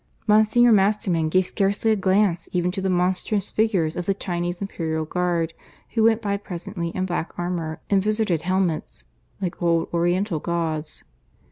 Monsignor Masterman gave scarcely a glance even to the monstrous figures of the Chinese imperial guard, who went by presently in black armour and vizarded helmets, like old Oriental gods.